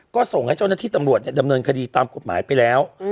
ก็ส่งให้เจ้าหน้าที่ตำรวจดำเนินคดีตามกฎหมายไปแล้ว